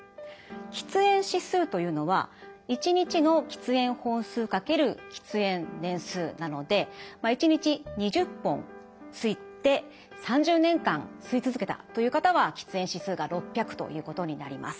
喫煙指数というのは１日の喫煙本数×喫煙年数なので１日２０本吸って３０年間吸い続けたという方は喫煙指数が６００ということになります。